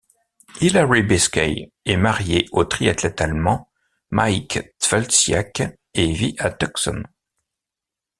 Hillary Biscay est marié au triathlète allemand Maik Twelsiek et vit à Tucson.